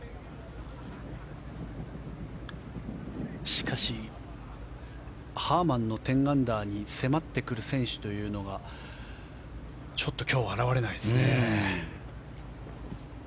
しかしハーマンの１０アンダーに迫ってくる選手というのがちょっと今日は現れないですね。